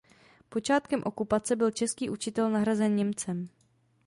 Počátkem okupace byl český učitel nahrazen Němcem.